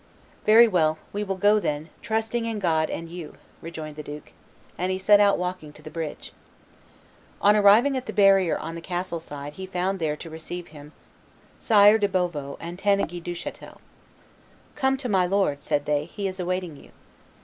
"Very well, we will go then, trusting in God and you," re joined the duke; and he set out walking to the bridge. On arriving at the barrier on the castle side he found there to receive him Sire de Beauveau and Tanneguy Duchatel. "Come to my lord," said they; "he is awaiting you."